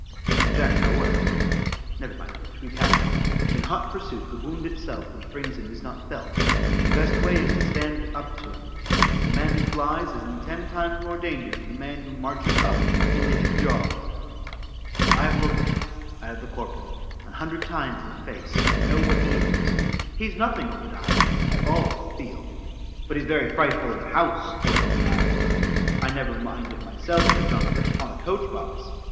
_ Then Jack's no worse.—Never mind which,—we pass on,—in hot pursuit the wound itself which brings him is not felt,—the best way is to stand up to him,—the man who flies, is in ten times more danger than the man who marches up into his jaws.—I've look'd him, added the corporal, an hundred times in the face,—and know what he is.—He's nothing, Obadiah, at all in the field.—But he's very frightful in a house, quoth Obadiah.——I never mind it myself, said Jonathan, upon a coach box.